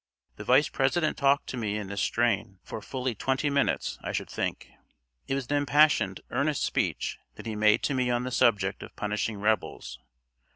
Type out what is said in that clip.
The Vice President talked to me in this strain for fully twenty minutes, I should think. It was an impassioned, earnest speech that he made to me on the subject of punishing rebels.